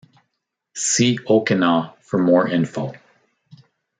See 'okina for more info.